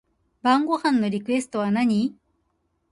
晩ご飯のリクエストは何